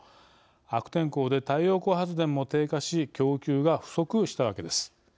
悪天候で太陽光発電も低下し供給が不足したわけです。